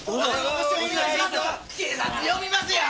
警察呼びますよ！